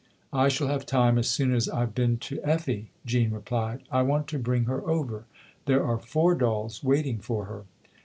" I shall have time as soon as I've been to Effie," Jean replied. " I want to bring her over. There are four dolls waiting for her."